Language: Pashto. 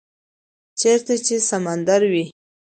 - چیرته چې سمندر وی،